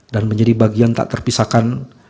dan menjadi bagian tak terpisahkan